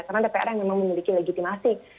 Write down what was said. karena dpr yang memang memiliki legitimasi